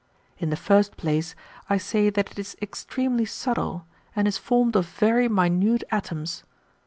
In the first place, I say that it is extremely subtle,^ and is formed of very minute atoms.